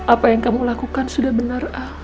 apa yang kamu lakukan sudah benar